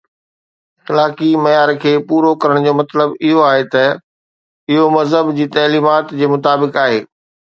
اخلاقي معيار کي پورو ڪرڻ جو مطلب اهو آهي ته اهو مذهب جي تعليمات جي مطابق آهي.